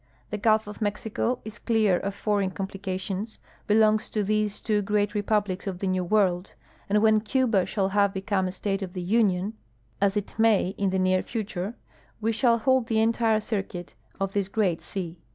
The gulf of Mexico is clear of foreign complications, belongs to these two great re })uhlics of the Ncav M'orld, and wdien Cuba shall have become a State of the Union, as it may in the near future, we shall hold tlie entire circuit of this great sea.